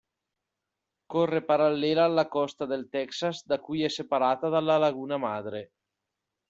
Corre parallela alla costa del Texas da cui è separata dalla Laguna Madre.